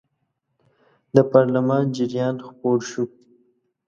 د پارلمان جریان خپور شو.